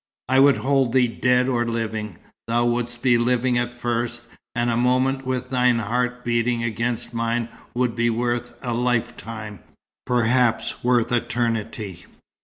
"I would hold thee dead or living. Thou wouldst be living at first; and a moment with thine heart beating against mine would be worth a lifetime perhaps worth eternity."